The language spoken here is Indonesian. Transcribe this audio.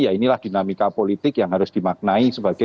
ya inilah dinamika politik yang harus dimaknai sebagai